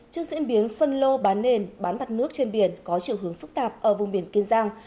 trước diễn biến phân lô bán nền bán mặt nước trên biển có chiều hướng phức tạp ở vùng biển kiên giang